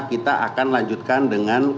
kita akan lanjutkan dengan kegiatan tersebut